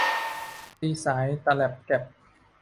ตีสายตะแล็ปแก็ป